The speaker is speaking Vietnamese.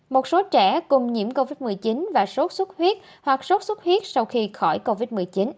một số trẻ cùng nhiễm covid một mươi chín và sốt xuất huyết hoặc sốt xuất huyết sau khi khỏi covid một mươi chín